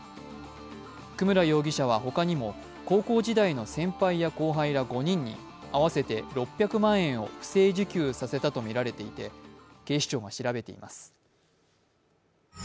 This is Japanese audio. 久村容疑者は他にも高校時代の先輩や後輩ら５人に合わせて６００万円を不正受給させたとみられていて、警視庁が調べています。